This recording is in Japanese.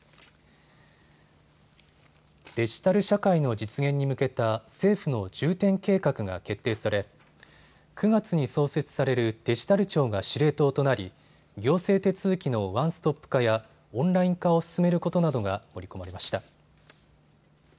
デジタル社会の実現に向けた政府の重点計画が決定され、９月に創設されるデジタル庁が司令塔となり行政手続きのワンストップ化やオンライン化を進めることなどが盛り込まれました。